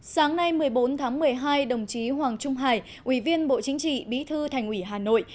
sáng nay một mươi bốn tháng một mươi hai đồng chí hoàng trung hải ủy viên bộ chính trị bí thư thành ủy hà nội